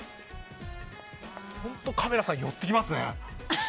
本当カメラさん寄ってきますね。